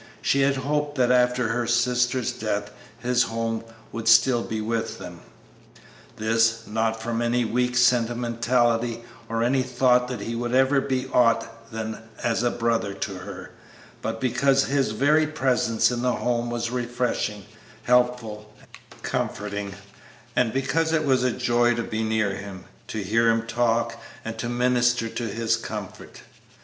She had hoped that after her sister's death his home would still be with them. This, not from any weak sentimentality or any thought that he would ever be aught than as a brother to her, but because his very presence in the home was refreshing, helpful, comforting, and because it was a joy to be near him, to hear him talk, and to minister to his comfort.